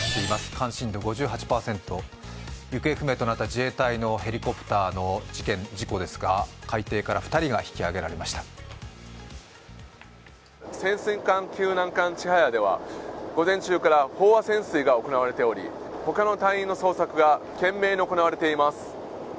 関心度５８％、行方不明となった自衛隊のヘリコプターの事故ですが、海底から２人が引き揚げられました潜水艦救難艦「ちはや」では午前中から飽和潜水が行われており、他の隊員の捜索が懸命に行われています。